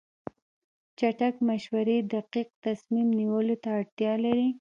چټک مشورې دقیق تصمیم نیولو ته اړتیا لري.